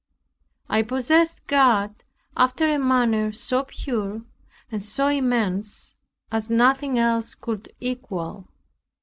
I possessed God after a manner so pure, and so immense, as nothing else could equal.